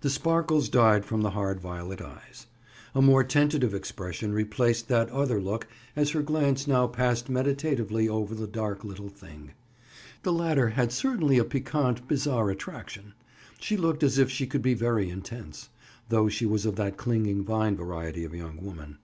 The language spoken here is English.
The sparkles died from the hard violet eyes. A more tentative expression replaced that other look as her glance now passed meditatively over the dark little thing. The latter had certainly a piquant bizarre attraction. She looked as if she could be very intense, though she was of that clinging vine variety of young woman.